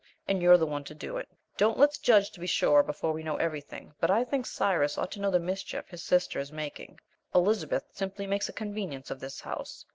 And you're the one to do it. Don't let's judge, to be sure, before we know everything, but I think Cyrus ought to know the mischief his sister is making! Elizabeth simply makes a convenience of this house.